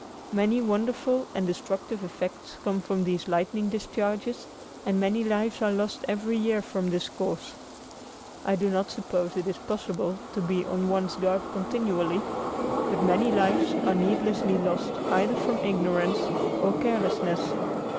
Many wonderful and destructive effects come from these lightning discharges and many lives are lost every year from this cause. I do not suppose it is possible to be on one's guard continually, but many lives are needlessly lost either from ignorance or carelessness.